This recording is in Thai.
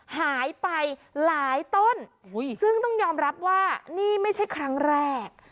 หายไปหลายต้นซึ่งต้องยอมรับว่านี่ไม่ใช่ครั้งแรก